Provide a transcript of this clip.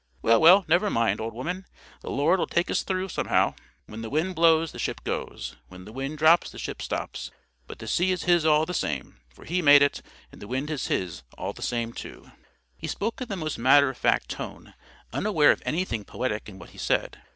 Well, well, never mind, old woman. The Lord'll take us through somehow. When the wind blows, the ship goes; when the wind drops, the ship stops; but the sea is His all the same, for He made it; and the wind is His all the same too." He spoke in the most matter of fact tone, unaware of anything poetic in what he said.